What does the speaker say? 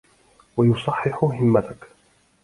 وَيُصَحِّحُ هِمَّتَك